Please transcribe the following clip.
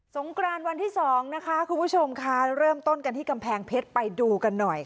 งกรานวันที่๒นะคะคุณผู้ชมค่ะเริ่มต้นกันที่กำแพงเพชรไปดูกันหน่อย